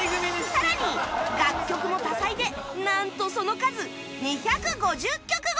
さらに楽曲も多彩でなんとその数２５０曲超え！